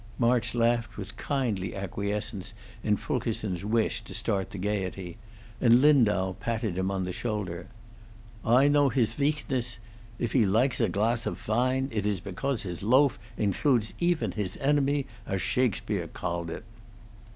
March laughed with kindly acquiescence in Fulkerson's wish to start the gayety, and Lindau patted him on the shoulder. "I know hiss veakness. If he liges a class of vine, it iss begause his loaf ingludes efen hiss enemy, as Shakespeare galled it."